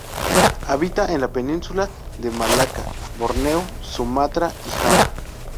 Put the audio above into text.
Habita en la Península de Malaca, Borneo, Sumatra y Java.